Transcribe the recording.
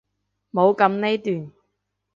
冇噉呢段！